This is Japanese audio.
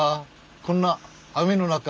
こんな雨の中。